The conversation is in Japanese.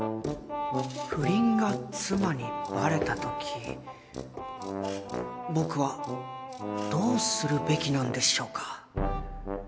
不倫が妻にバレたとき僕はどうするべきなんでしょうか？